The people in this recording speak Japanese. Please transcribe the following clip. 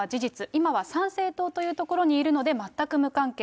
今は参政党というところにいるので、全く無関係。